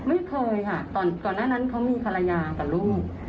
ไม่เคยค่ะตอนก่อนนนั้นเขามีภาระงานกับลูก